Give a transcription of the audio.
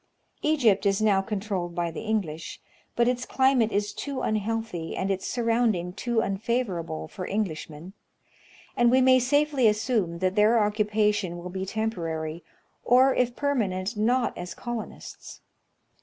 Egypt is now controlled by the English, but its climate is too unhealthy, and its surrounding too unfavorable, for Englishmen; and we may safely assume that their occupation will be tempo rary, or, if permanent, not as colonists.